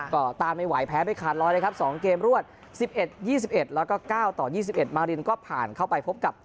ก็ตามไม่ไหวแพ้ไปขาดร้อยเลยครับ๒เกมรวด๑๑๒๑แล้วก็๙ต่อ๒๑มารินก็ผ่านเข้าไปพบกับ